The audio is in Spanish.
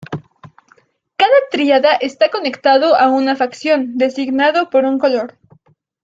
Cada tríada está conectado a una facción, designado por un color.